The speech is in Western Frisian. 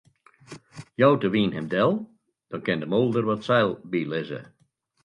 Jout de wyn him del, dan kin de moolder wat seil bylizze.